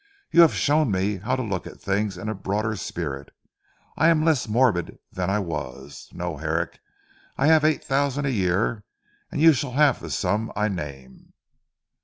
You have shown me how to look at things in a broader spirit. I am less morbid than I was. No, Herrick. I have eight thousand a year, and you shall have the sum I name."